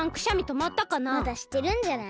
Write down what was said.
まだしてるんじゃない？